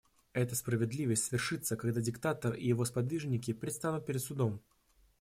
Эта справедливость совершится, когда диктатор и его сподвижники предстанут перед судом.